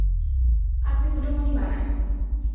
আপনি দুটো মণি বানান।